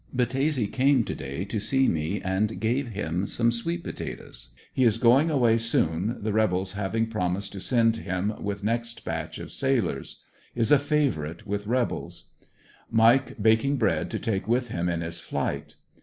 Battese came to day to see me and gave him some sweet potatoes. He is going away soon the rebels having promised to send him with ANDERSONVILLE DIABT. 103 next batch of sailors; is a favorite with rebels. Mike baking bread to take with him in his flight.